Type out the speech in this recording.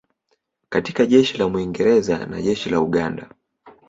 katika Jeshi la Mwingereza na Jeshi la Uganda